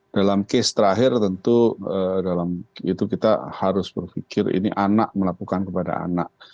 dalam case terakhir tentu kita harus berpikir ini anak melakukan kepada anak